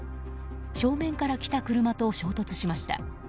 正面から来た車と衝突しました。